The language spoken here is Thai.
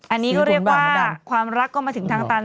อันนี้ก็เรียกว่าความรักก็มาถึงทางตัน